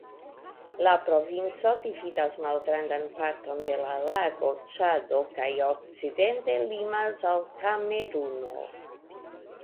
La provinco dividas malgrandan parton de la lago Ĉado kaj okcidente limas al Kameruno.